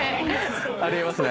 あり得ますね。